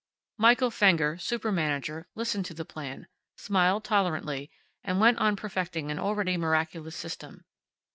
Michael Fenger, Super Manager, listened to the plan, smiled tolerantly, and went on perfecting an already miraculous System.